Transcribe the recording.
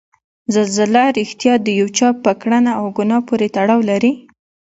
زلزله ریښتیا د یو چا په کړنه او ګناه پورې تړاو لري؟